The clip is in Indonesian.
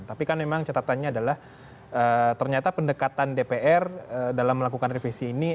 tapi kan memang catatannya adalah ternyata pendekatan dpr dalam melakukan revisi ini